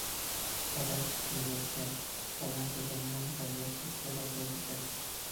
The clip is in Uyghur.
ئاداش، بىلمەيسەن، بالا دېگەننىڭ غەلۋىسى تولا بولىدىكەن.